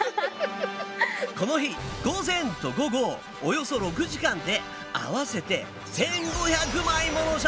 この日午前と午後およそ６時間で合わせて１，５００枚もの写真を撮った３人。